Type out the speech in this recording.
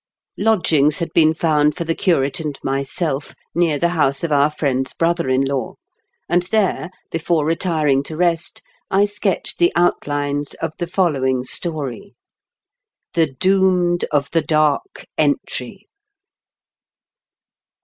Lodgings had been found for the curate and myself near the house of our friend's brother in law, and there, before retiring to rest, I sketched the outlines of the following story. THE DOOMED OF THE DARK ENTRY.